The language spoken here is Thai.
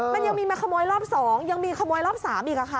มันยังมีมาขโมยรอบ๒ยังมีขโมยรอบ๓อีกค่ะ